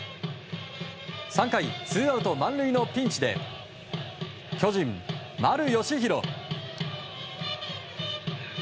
３回、ツーアウト満塁のピンチで巨人、丸佳浩。